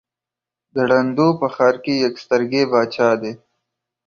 د ړندو په ښآر کې يک سترگى باچا دى.